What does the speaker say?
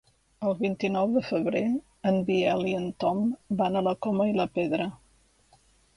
El vint-i-nou de febrer en Biel i en Tom van a la Coma i la Pedra.